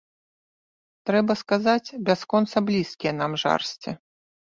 Трэба сказаць, бясконца блізкія нам жарсці.